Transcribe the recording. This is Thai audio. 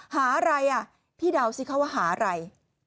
หาอะไรอ่ะพี่เดาสิคะว่าหาอะไร